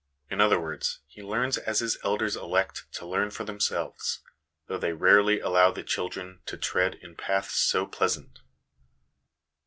In other words, he learns as his elders elect to learn for themselves, though they rarely allow the children to tread in paths so pleasant.